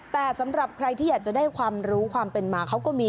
แต่สำหรับใครที่อะไรจะได้ความรู้ความเป็นมา